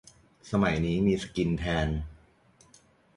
สมัยนี้มีใช้สกิล แทน